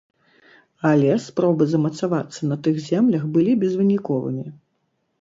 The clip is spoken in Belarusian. Але спробы замацавацца на тых землях былі безвыніковымі.